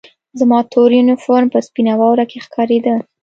زما تور یونیفورم په سپینه واوره کې ښکارېده